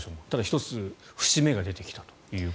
ただ、１つ節目が出てきたと。